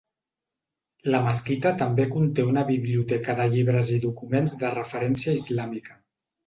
La mesquita també conté una biblioteca de llibres i documents de referència islàmica.